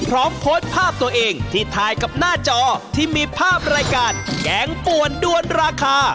พร้อมโพสต์ภาพตัวเองที่ถ่ายกับหน้าจอที่มีภาพรายการแกงป่วนด้วนราคา